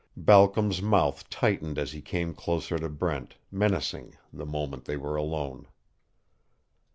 Balcom's mouth tightened as he came closer to Brent, menacing, the moment they were alone.